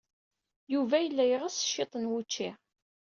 Yuba yella yeɣs cwiṭ n wučči.